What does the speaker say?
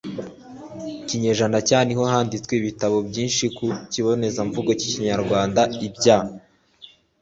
kinyejana cya ni ho handitswe ibitabo byinshi ku kibonezamvugo k'ikinyarwanda. ibya